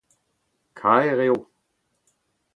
Kaer eo.